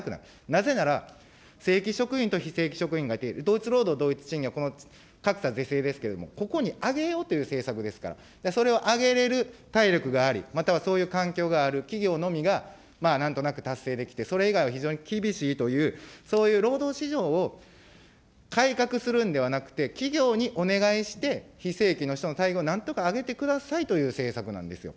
なぜなら、正規職員と非正規職員があって、同一労働同一賃金は、上げようという政策ですから、それを上げれる体力があり、またはそういう環境がある企業のみがなんとなく達成できて、それ以外は非常に厳しいという、そういう労働市場を改革するんではなくて、企業にお願いして、非正規の人の待遇をなんとか上げてくださいという政策なんですよ。